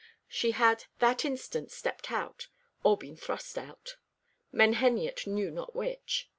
She had that instant stepped out, or been thrust out; Menheniot knew not which.